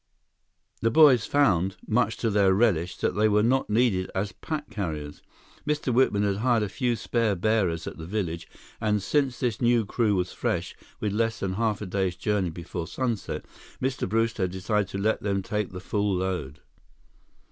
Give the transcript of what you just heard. The boys found, much to their relish, that they were not needed as pack carriers. Mr. Whitman had hired a few spare bearers at the village, and since this new crew was fresh, with less than a half day's journey before sunset, Mr. Brewster had decided to let them take the full load.